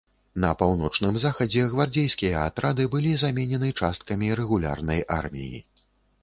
На паўночным захадзе гвардзейскія атрады былі заменены часткамі рэгулярнай арміі.